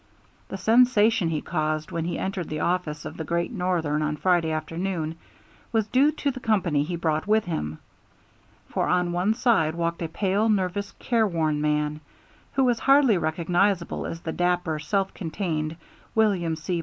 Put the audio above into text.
The sensation he caused, when he entered the office of the Great Northern on Friday afternoon, was due to the company he brought with him; for on one side walked a pale, nervous, careworn man, who was hardly recognizable as the dapper, self contained William C.